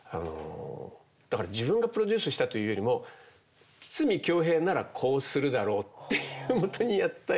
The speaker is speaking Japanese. だから自分がプロデュースしたというよりも筒美京平ならこうするだろうっていうもとにやったような。